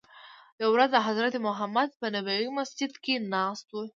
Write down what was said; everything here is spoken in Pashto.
یوه ورځ حضرت محمد په نبوي مسجد کې ناست وو.